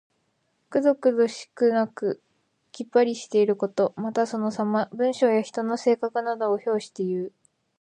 くどくどしくなくきっぱりしていること。また、そのさま。文章や人の性質などを評していう。